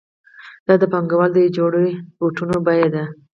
دا د پانګوال د یوې جوړې بوټانو بیه ده